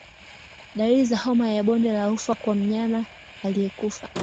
Dalili za homa ya bonde la ufa kwa mnyama aliyekufa